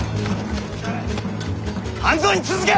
半蔵に続け！